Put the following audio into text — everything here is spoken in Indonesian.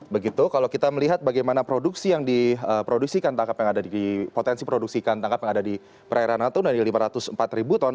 begitu kalau kita melihat bagaimana produksi yang diproduksi ikan tangkap yang ada di potensi produksi ikan tangkap yang ada di perairan natuna ini lima ratus empat ribu ton